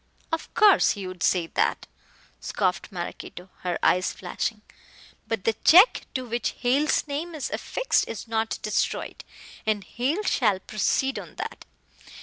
"Of course he would say that," scoffed Maraquito, her eyes flashing, "but the check to which Hale's name is affixed is not destroyed, and Hale shall proceed on that."